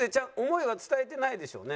想いは伝えてないです。